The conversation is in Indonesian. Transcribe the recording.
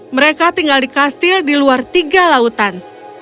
mereka tinggal di kastil di luar tiga lautan